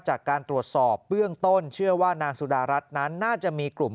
จากการตรวจสอบเบื้องต้นเชื่อว่านางสุดารัฐนั้นน่าจะมีกลุ่ม